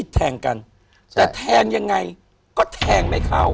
แต่แทงยังไงก็แทงไม่เข้า